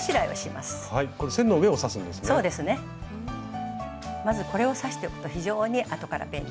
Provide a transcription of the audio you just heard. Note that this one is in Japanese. まずこれを刺しておくと非常にあとから便利です。